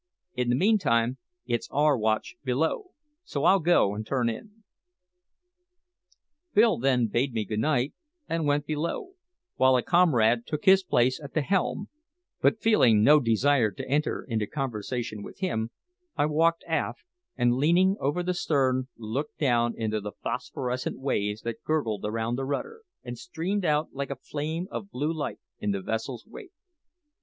In the meantime it's our watch below, so I'll go and turn in." Bill then bade me good night and went below, while a comrade took his place at the helm; but feeling no desire to enter into conversation with him, I walked aft, and leaning over the stern, looked down into the phosphorescent waves that gurgled around the rudder, and streamed out like a flame of blue light in the vessel's wake.